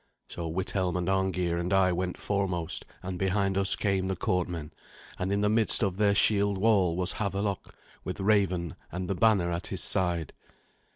So Withelm and Arngeir and I went foremost, and behind us came the courtmen, and in the midst of their shield wall was Havelok, with Raven and the banner at his side.